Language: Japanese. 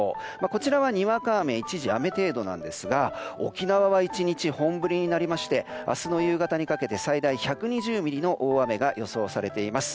こちらは、にわか雨一時雨程度なんですが沖縄は１日本降りになりまして明日の夕方にかけて最大１２０ミリの大雨が予想されています。